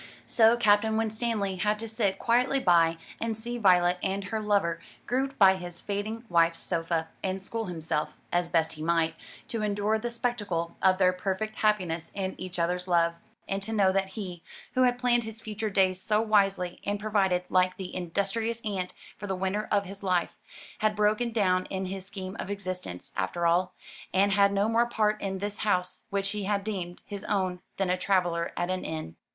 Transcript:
So Captain Winstanley had to sit quietly by, and see Violet and her lover grouped by his fading wife's sofa, and school himself, as he best might, to endure the spectacle of their perfect happiness in each other's love, and to know that he who had planned his future days so wisely, and provided, like the industrious ant, for the winter of his life had broken down in his scheme of existence, after all, and had no more part in this house which he had deemed his own than a traveller at an inn.